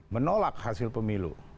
menolak hasil pemilu